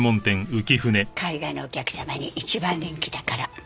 海外のお客様に一番人気だから。